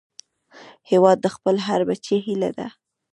هیواد د خپل هر بچي هيله ده